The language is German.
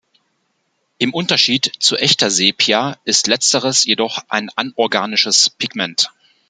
Im Unterschied zu echter Sepia ist letzteres jedoch ein "anorganisches" Pigment.